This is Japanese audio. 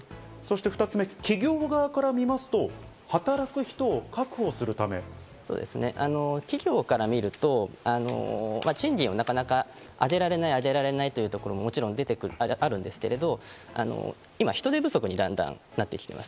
２つ目、企業側から見ますと企業から見ると、賃金をなかなか上げられない、上げられないというところもあるんですけど、今、人手不足にだんだんなってきています。